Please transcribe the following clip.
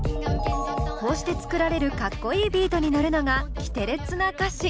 こうして作られるかっこいいビートに乗るのがキテレツな歌詞。